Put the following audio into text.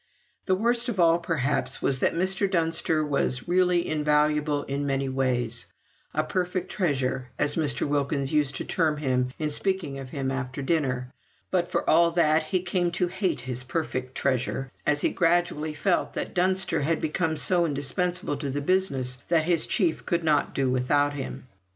The worst of all, perhaps, was, that Mr. Dunster was really invaluable in many ways; "a perfect treasure," as Mr. Wilkins used to term him in speaking of him after dinner; but, for all that, he came to hate his "perfect treasure," as he gradually felt that Dunster had become so indispensable to the business that his chief could not do without him.